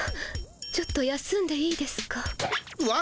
ちょっと休んでいいですか？